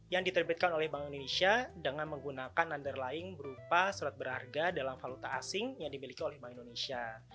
yang diterbitkan oleh bank indonesia dengan menggunakan nunderlying berupa surat berharga dalam valuta asing yang dimiliki oleh bank indonesia